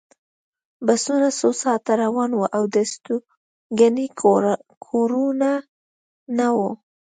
بسونه څو ساعته روان وو او د استوګنې کورونه نه وو